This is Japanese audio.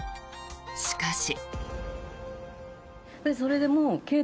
しかし。